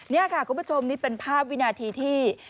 นี่ค่ะคุณผู้ชมนี่เป็นภาพวินาทีที่